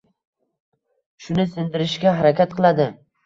Shuni singdirishga harakat qiladi.